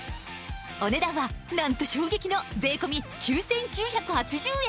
お値段はなんと衝撃の税込９９８０円